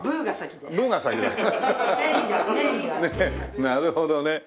なるほどね。